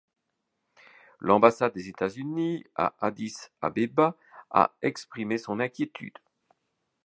L'ambassade des États-Unis à Addis-Abeba a exprimé son inquiétude.